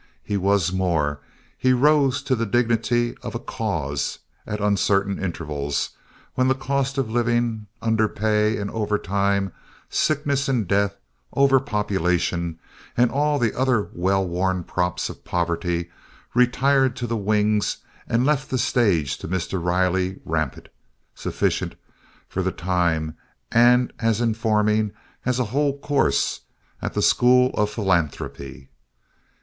He was more: he rose to the dignity of a "cause" at uncertain intervals when the cost of living, underpay and overtime, sickness and death, overpopulation, and all the other well worn props of poverty retired to the wings and left the stage to Mr. Riley rampant, sufficient for the time and as informing as a whole course at the School of Philanthropy.